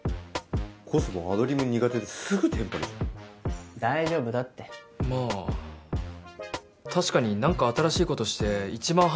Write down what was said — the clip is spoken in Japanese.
コスモアドリブ苦手ですぐテンパるじゃん大丈夫だってまぁ確かに何か新しいことして一番反応でかいのはコスモかもな